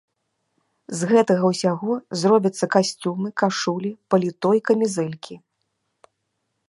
З гэтага ўсяго зробяцца касцюмы, кашулі, паліто і камізэлькі.